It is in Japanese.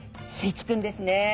いつくんですね。